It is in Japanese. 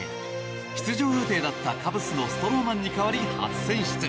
出場予定だったカブスのストローマンに代わり初選出。